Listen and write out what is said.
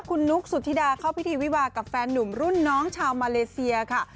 คุณนุ๊กสุธิดาเข้าพิธีวิวากับแฟนหนุ่มรุ่นน้องชาวมาเลเซียค่ะ